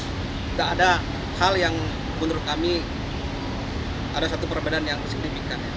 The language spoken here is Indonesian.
tidak ada hal yang menurut kami ada satu perbedaan yang signifikan